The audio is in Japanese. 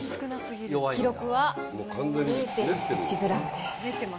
記録は、０．１グラムです。